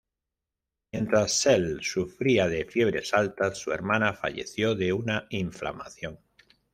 Mientras Sells sufría de fiebres altas, su hermana falleció de una inflamación.